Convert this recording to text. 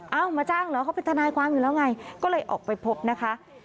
เอามาจ้างเหรอเขาเป็นทนายความอยู่แล้วไงก็เลยออกไปพบนะคะ